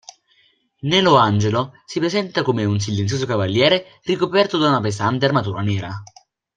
Nelo Angelo si presenta come un silenzioso cavaliere ricoperto da una pesante armatura nera.